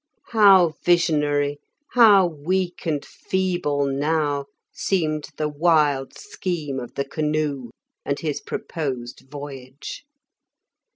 How visionary, how weak and feeble now seemed the wild scheme of the canoe and his proposed voyage!